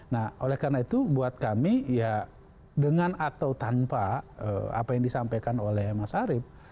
nah oleh karena itu buat kami ya dengan atau tanpa apa yang disampaikan oleh mas arief